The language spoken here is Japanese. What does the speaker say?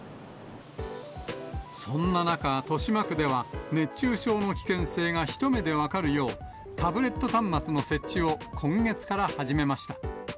そんな中、豊島区では、熱中症の危険性が一目で分かるよう、タブレット端末の設置を今月から始めました。